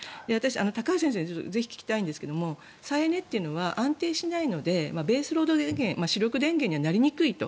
高橋先生にぜひ聞きたいんですが再エネというのは安定しないのでベースロード電源主力電源にはなりにくいと。